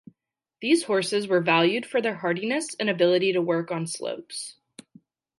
These horses were valued for their hardiness and ability to work on slopes.